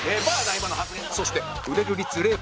そして売れる率 ０％